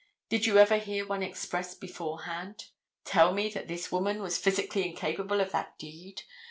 Did you ever hear one expressed beforehand? Tell me that this woman was physically incapable of that deed?